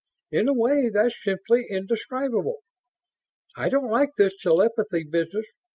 in a way that's simply indescribable. I don't like this telepathy business